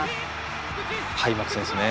開幕戦ですね。